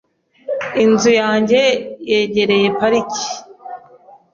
Inzu yanjye yegereye parike .